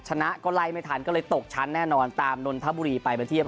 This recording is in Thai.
ชนะก็ไล่ไม่ทันก็เลยตกชั้นแน่นอนตามนนทบุรีไปไปเทียบ